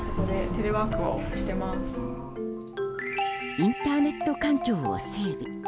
インターネット環境を整備。